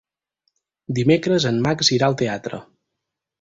Dimecres en Max irà al teatre.